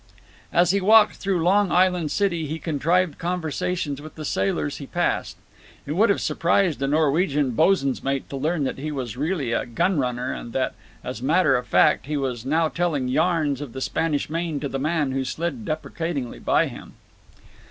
As he walked through Long Island City he contrived conversations with the sailors he passed. It would have surprised a Norwegian bos'un's mate to learn that he was really a gun runner, and that, as a matter of fact, he was now telling yarns of the Spanish Main to the man who slid deprecatingly by him.